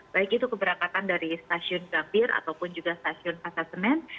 baik itu keberangkatan dari stasiun gambir ataupun juga stasiun pasar senen